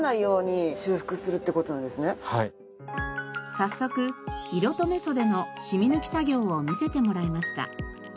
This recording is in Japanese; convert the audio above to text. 早速色留め袖のしみ抜き作業を見せてもらいました。